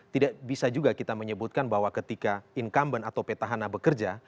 tidak bisa juga kita menyebutkan bahwa ketika incumbent atau petahana bekerja